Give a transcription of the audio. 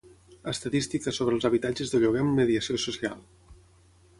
Estadística sobre els habitatges de lloguer amb mediació social.